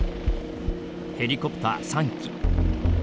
ヘリコプター３機。